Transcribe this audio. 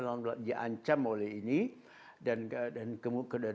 kita harus berpikir kita harus berpikir kita harus berpikir kita harus berpikir kita harus berpikir